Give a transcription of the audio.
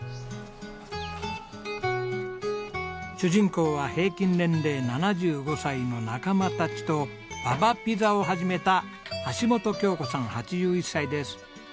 主人公は平均年齢７５歳の仲間たちとＢａＢａピザを始めた橋本京子さん８１歳です。